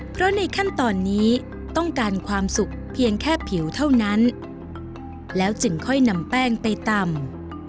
เพราะในขั้นตอนนี้ต้องการความสุกเพียงแค่ผิวเท่านั้นแล้วจึงค่อยนำแป้งไปตำ